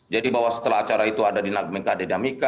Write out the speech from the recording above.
jadi bahwa setelah acara itu ada dinamika dinamika